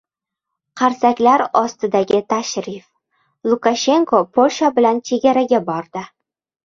Qarsaklar ostidagi tashrif: Lukashenko Polsha bilan chegaraga bordi